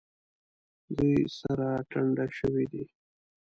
دوی سره ټنډه شوي دي.